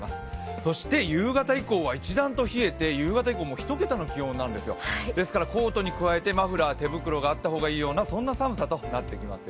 そして夕方以降は一段と冷えて、夕方以降は一桁の気温なんですよ、ですからコートに加えてマフラー、手袋があった方がいいようなそんな寒さとなってきますよ。